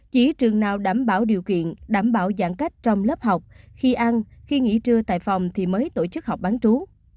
chỉ trường nào đảm bảo điều kiện đảm bảo giãn cách trong lớp học khi ăn khi nghỉ trưa tại phòng thì mới tổ chức học bán trú